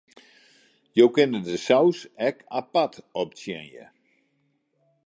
Jo kinne de saus ek apart optsjinje.